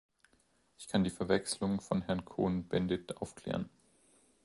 Ich kann die Verwechslung von Herrn Cohn-Bendit aufklären.